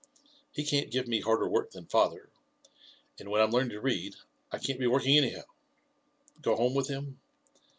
He can't give me harder work than father ; and when I'm learning to read, I can't be working, anyhow. — Go home with him?